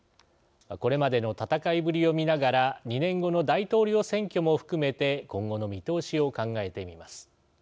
これまでの戦いぶりを見ながら２年後の大統領選挙も含めて今後の見通しを考えてみます。